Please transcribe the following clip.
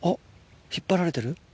引っ張られてる？